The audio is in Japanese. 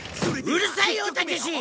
うるさいよたけし！